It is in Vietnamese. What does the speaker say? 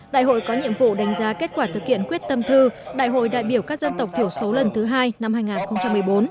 đại hội có nhiệm vụ đánh giá kết quả thực hiện quyết tâm thư đại hội đại biểu các dân tộc thiểu số lần thứ hai năm hai nghìn một mươi bốn